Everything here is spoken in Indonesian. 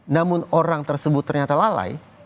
namun orang tersebut ternyata lalai